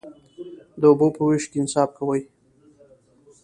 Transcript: د اوبو په ویش کې انصاف کوئ؟